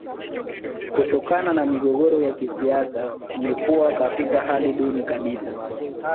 Kutokana na migogoro ya kisiasa imekuwa katika hali duni kabisa